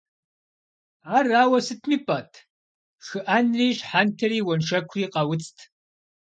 Ар ауэ сытми пӀэт, шхыӀэнри, щхьэнтэри, уэншэкури къауцт.